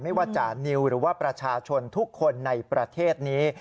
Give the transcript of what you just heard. ไม่ว่าจานิวหรือว่าประชาชนทุกคนในประเทศนี้